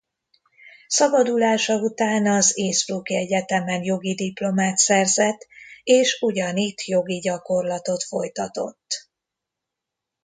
Szabadulása után az innsbrucki egyetemen jogi diplomát szerzett és ugyanitt jogi gyakorlatot folytatott.